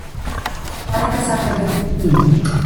Se pare că s-a pregătit bine.